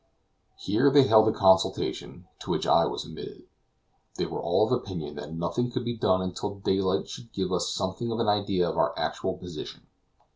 Here they held a consultation, to which I was admitted. They were all of opinion that nothing could be done until daylight should give us something of an idea of our actual position.